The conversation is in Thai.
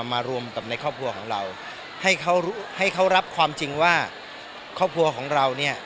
มารวมกับในครอบครัวของเราให้เขาให้เขารับความจริงว่าครอบครัวของเราเนี่ย